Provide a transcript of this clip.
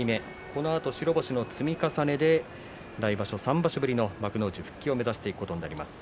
このあと白星の積み重ね次第で来場所、３場所ぶりの幕内となる可能性もあります。